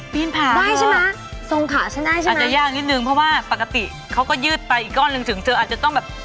ปีนผ่านเถอะอาจจะยากนิดนึงเพราะว่าปกติเขาก็ยืดไปอีกก้อนนึงถึงเธออาจจะต้องแบบ